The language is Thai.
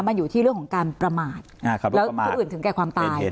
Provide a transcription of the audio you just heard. มันอยู่ที่เรื่องของการประมาทแล้วผู้อื่นถึงแก่ความตาย